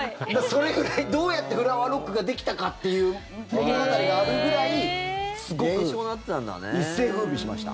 それぐらいどうやってフラワーロックができたかっていう物語があるぐらいすごく、一世を風靡しました。